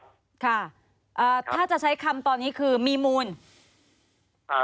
ถ้าจะใช้คำตอนนี้คือมีมูล